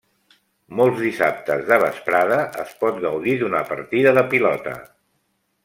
Molts dissabtes de vesprada es pot gaudir d'una partida de pilota.